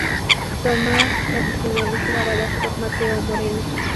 Tomas adicionales grabadas por Mateo Moreno.